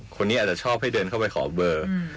คนนี้อาจจะชอบให้เดินเข้าไปขอเบอร์